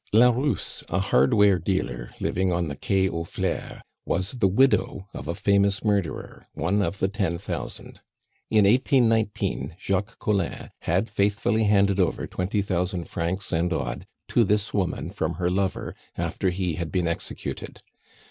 La Rousse, a hardware dealer living on the Quai aux Fleurs, was the widow of a famous murderer, one of the "Ten Thousand." In 1819, Jacques Collin had faithfully handed over twenty thousand francs and odd to this woman from her lover, after he had been executed.